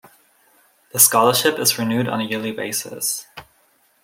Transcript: The Scholarship is renewed on a yearly basis.